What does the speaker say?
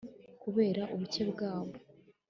kubera ubuke bwabo